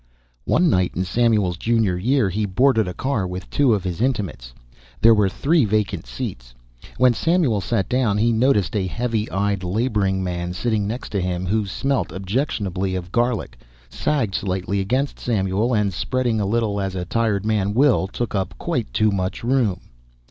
One night in Samuel's junior year he boarded a car with two of his intimates. There were three vacant seats. When Samuel sat down he noticed a heavy eyed laboring man sitting next to him who smelt objectionably of garlic, sagged slightly against Samuel and, spreading a little as a tired man will, took up quite too much room.